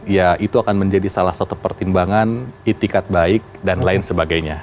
ya itu akan menjadi salah satu pertimbangan itikat baik dan lain sebagainya